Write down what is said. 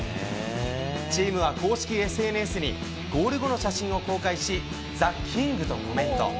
チームは公式ＳＮＳに、ゴール後の写真を公開し、ザ・キングとコメント。